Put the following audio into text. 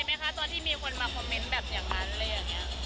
ไหมคะตอนที่มีคนมาคอมเมนต์แบบอย่างนั้นอะไรอย่างนี้